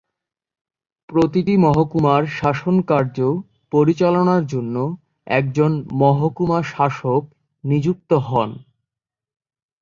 প্রতিটি মহকুমার শাসনকার্য পরিচালনার জন্য একজন মহকুমা-শাসক নিযুক্ত হন।